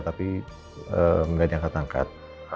tapi gak diangkat angkat